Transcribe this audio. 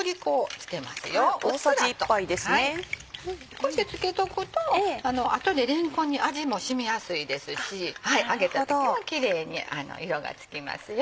こうして付けとくとあとでれんこんに味も染みやすいですし揚げた時もキレイに色がつきますよ。